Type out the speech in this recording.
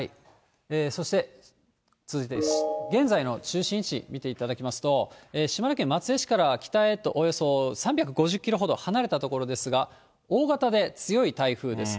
そして、続いて現在の中心位置、見ていただきますと、島根県松江市から北へとおよそ３５０キロほど離れた所ですが、大型で強い台風です。